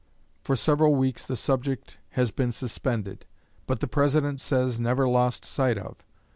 For several weeks the subject has been suspended, but the President says never lost sight of.